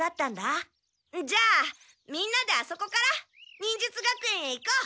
じゃあみんなであそこから忍術学園へ行こう。